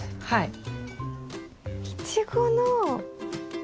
はい！